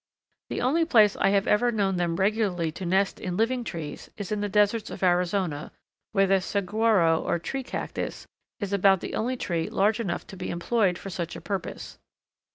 The only place I have ever known them regularly to nest in living trees is in the deserts of Arizona, where the saguaro or "tree cactus" is about the only tree large enough to be employed for such a purpose.